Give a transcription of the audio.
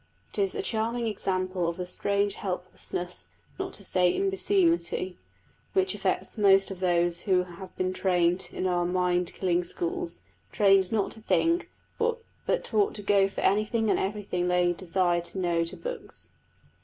It is a charming example of the strange helplessness, not to say imbecility, which affects most of those who have been trained in our mind killing schools; trained not to think, but taught to go for anything and everything they desire to know to the books.